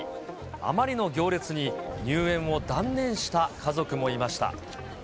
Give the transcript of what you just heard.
あまりの行列に、入園を断念した家族もいました。